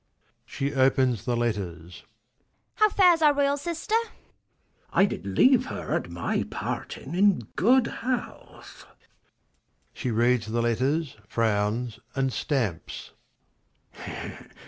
\_She opens the letters. Ragan. How fares our royal sister ? Mess. I did leave her, at my parting, in good health. [_She reads the letters, frowns, and stamps.